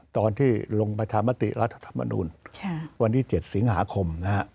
ตอนที่ลงประชามาตรีรัฐธรรมนุนวันนี้๗สิงหาคม